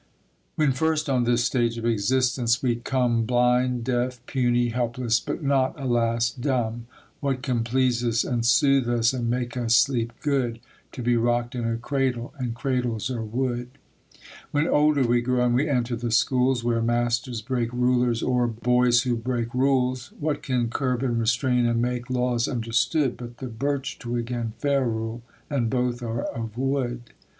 When first on this stage of existence we come Blind, deaf, puny, helpless, but not, alas, dumb, What can please us, and soothe us, and make us sleep good? To be rocked in a cradle; and cradles are wood. When older we grow, and we enter the schools Where masters break rulers o'er boys who break rules, What can curb and restrain and make laws understood But the birch twig and ferule? and both are of wood.